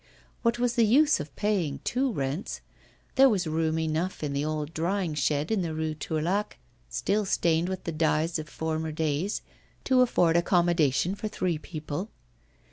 What was the use of paying two rents? There was room enough in the old drying shed in the Rue Tourlaque still stained with the dyes of former days to afford accommodation for three people.